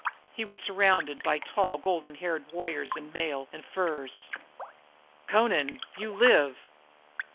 He was surrounded by tall golden haired warriors in mail and furs. "Amra! You live!"